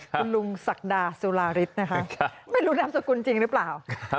คุณลุงสักดาสุราริสต์ไม่รู้นำสกุลจริงหรือเปล่า